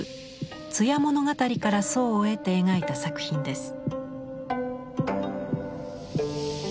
「通夜物語」から想を得て描いた作品です。